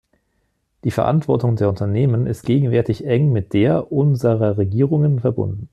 Die Verantwortung der Unternehmen ist gegenwärtig eng mit der unserer Regierungen verbunden.